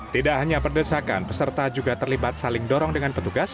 tidak hanya perdesakan peserta juga terlibat saling dorong dengan petugas